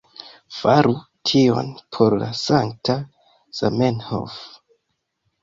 Faru tion por la sankta Zamenhof